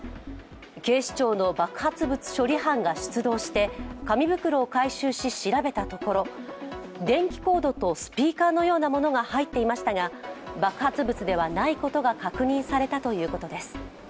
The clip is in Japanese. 警視庁の爆発物処理班が出動して紙袋を回収し調べたところ電気コードとスピーカーのようなものが入っていましたが爆発物ではないことが確認されたということです。